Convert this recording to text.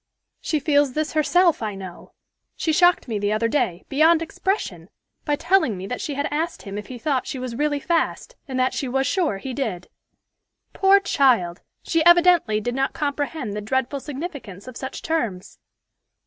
She feels this herself, I know. She shocked me the other day, beyond expression, by telling me that she had asked him if he thought she was really fast, and that she was sure he did. Poor child! she evidently did not comprehend the dreadful significance of such terms."